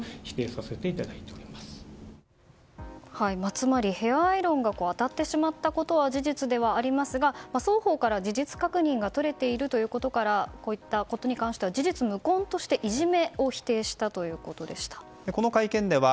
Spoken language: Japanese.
つまりヘアアイロンが当たってしまったことは事実ではありますが双方から事実確認がとれているということからこういったことに関しては事実無根としていじめをこの会見では